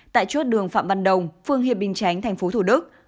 tại chốt đường phạm văn đồng phường hiệp bình chánh tp thủ đức